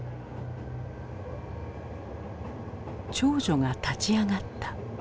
長女が立ち上がった。